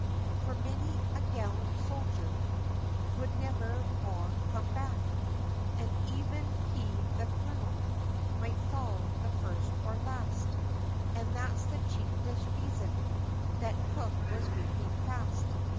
For many a gallant soldier, Would never more come back, And even he (the Colonel) Might fall the first or last; And that's the chiefest reason, That Cook was weeping fast.